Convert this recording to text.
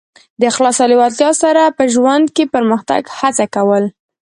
د اخلاص او لېوالتیا سره په ژوند کې د پرمختګ هڅه کول.